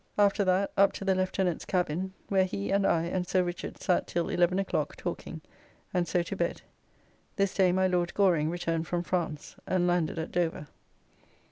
After that up to the Lieutenant's cabin, where he and I and Sir Richard sat till 11 o'clock talking, and so to bed. This day my Lord Goring returned from France, and landed at Dover.